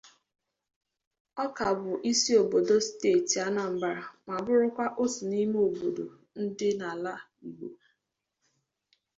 Ọka bụ isi obodo steeti Anambra ma bụrụkwa otu n'ime obodo dị n'ala Igbo